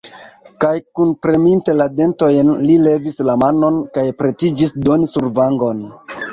Kaj, kunpreminte la dentojn, li levis la manon kaj pretiĝis doni survangon.